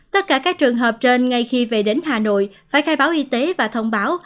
tất cả các trường hợp trên ngay khi về đến hà nội phải khai báo y tế và thông báo